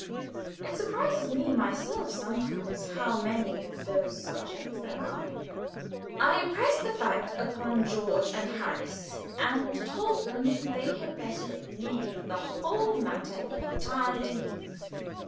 (It surprises me myself, sometimes, how many of these subjects there are.) I impressed the fact upon George and Harris, and told them that they had better leave the whole matter entirely to me.